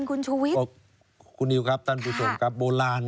ขอบคุณคุณชูวิทย์นะครับคุณนิวครับท่านผู้ชมครับโบราณ